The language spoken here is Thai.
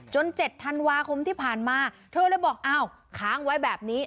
๗ธันวาคมที่ผ่านมาเธอเลยบอกอ้าวค้างไว้แบบนี้